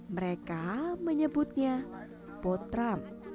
mereka menyebutnya potram